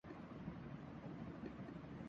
احد رضا میر عالمی ایوارڈ جیتنے میں کامیاب